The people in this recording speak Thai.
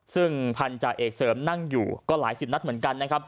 ซึ่งพันธาเอกเสริมนั่งอยู่ก็หลายสิบนัดเหมือนกันนะครับ